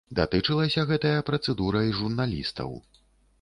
Датычылася гэтая працэдура і журналістаў.